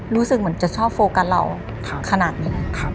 รู้สึกเหมือนจะชอบโฟกัสเราขนาดนี้